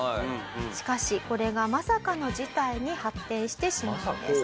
しかしこれがまさかの事態に発展してしまうんです。